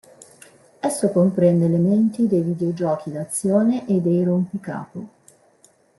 Esso comprende elementi dei videogiochi d'azione e dei rompicapo.